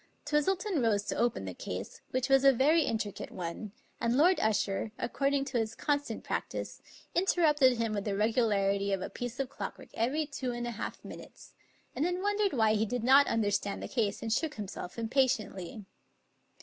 Twistleton rose to open the case, which was a very intri cate one, and Lord Usher, according to his constant prac tice, interrupted him with the regularity of a piece of clockwork every two and a half minutes, and then won dered why he did not understand the case and shook him self impatiently.